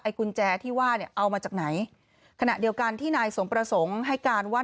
กุญแจที่ว่าเนี่ยเอามาจากไหนขณะเดียวกันที่นายสมประสงค์ให้การว่า